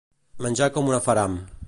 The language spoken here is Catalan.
Menjar com un afaram.